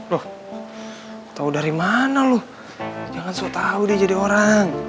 loh tau dari mana lo jangan sok tau deh jadi orang